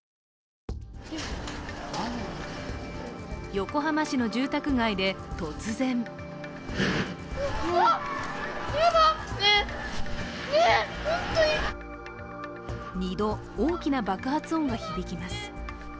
横浜市の住宅街で突然二度、大きな爆発音が響きます。